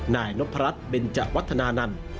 นายนพรัชเบนจวัฒนานันต์